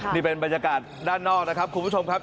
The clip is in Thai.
นี่เป็นบรรยากาศด้านนอกนะครับคุณผู้ชมครับ